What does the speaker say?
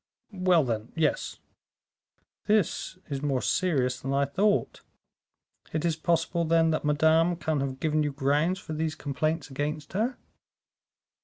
"Well then, yes " "This is more serious than I thought. It is possible, then, that Madame can have given you grounds for these complaints against her?"